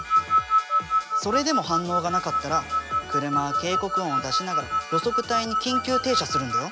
それでも反応がなかったら車は警告音を出しながら路側帯に緊急停車するんだよ。